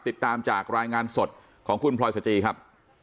ติดตามจากรายงานสดของคุณพลอยสจีครับ